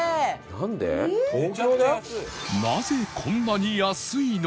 なぜこんなに安いのか？